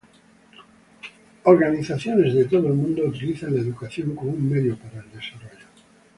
Organizaciones de todo el mundo utilizan la educación como un medio para el desarrollo.